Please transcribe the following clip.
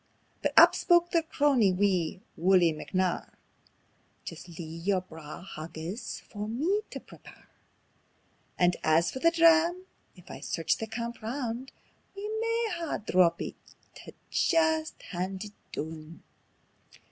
But up spoke their crony, wee Wullie McNair: "Jist lea' yer braw haggis for me tae prepare; And as for the dram, if I search the camp roun', We maun hae a drappie tae jist haud it doon.